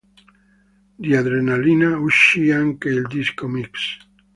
Di "Adrenalina" uscì anche il disco mix.